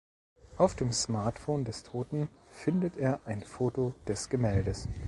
Auf dem Smartphone des Toten findet er ein Foto des Gemäldes.